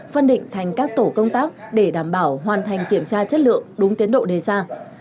phân định thành các tổ công tác để đảm bảo hoàn thành kiểm tra chất lượng đúng tiến độ đề ra